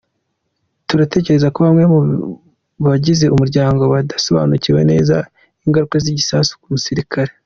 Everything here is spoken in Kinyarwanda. Turatekereza ko bamwe mu bagize umuryango badasobanukiwe neza ingaruka z’igisasu ku musirikare.